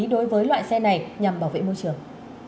đối với loại xe này nhằm bảo vệ môi trường